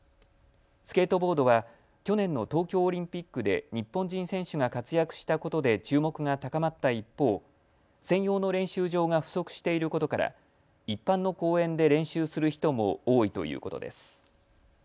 スケートボードは去年の東京オリンピックで日本人選手が活躍したことで注目が高まった一方、専用の練習場が不足していることから一般の公園で練習する人も多いということです。